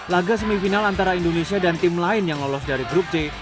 laga semifinal antara indonesia dan tim lain yang lolos dari grup c